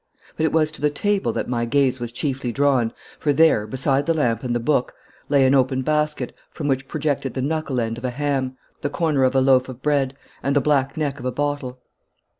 But it was to the table that my gaze was chiefly drawn, for there, beside the lamp and the book, lay an open basket, from which projected the knuckle end of a ham, the corner of a loaf of bread, and the black neck of a bottle.